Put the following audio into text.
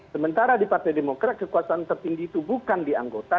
sementara di partai demokrat kekuasaan tertinggi itu bukan di anggota